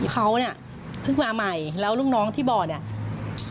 เขาเพิ่งมาใหม่แล้วลูกน้องที่บ่อนี่